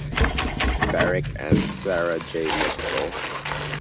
Barrick, and Sarah J. Mitzel.